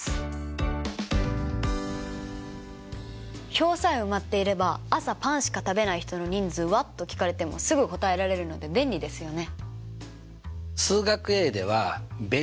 表さえ埋まっていれば「朝パンしか食べない人の人数は？」と聞かれてもすぐ答えられるので便利ですよね。